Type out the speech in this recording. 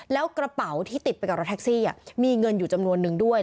แล้วกระเป๋าที่ติดไปกับรถแท็กซี่มีเงินอยู่จำนวนนึงด้วย